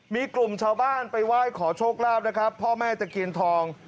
มีกลุ่มชาวบ้านไปไหว้ขอโชคลาภนะครับพ่อแม่ตะเคียนทอง